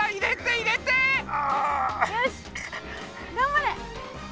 あ！よしがんばれ！